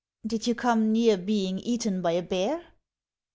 " Did you come near being eaten by a bear